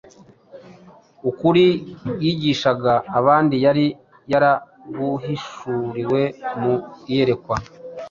Ukuri yigishaga abandi yari yaraguhishuriwe “mu iyerekwa”